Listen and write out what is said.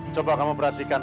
coba kamu perhatikan